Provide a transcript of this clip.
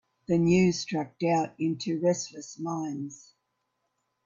The news struck doubt into restless minds.